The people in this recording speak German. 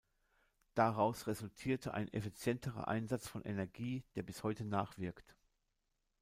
Daraus resultierte ein effizienterer Einsatz von Energie, der bis heute nachwirkt.